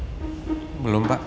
aku cuman selalu gendutkkal